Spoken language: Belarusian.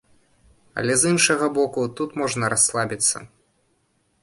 Але з іншага боку, тут можна расслабіцца.